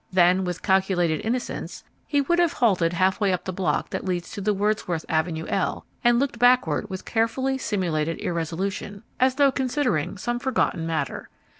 Then, with calculated innocence, he would have halted halfway up the block that leads to the Wordsworth Avenue "L," and looked backward with carefully simulated irresolution, as though considering some forgotten matter.